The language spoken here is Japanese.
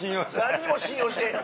何にも信用してへん